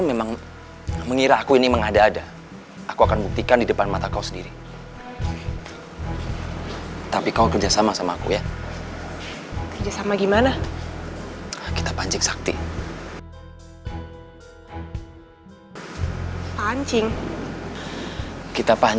ini buruan buruan jangan jangan jangan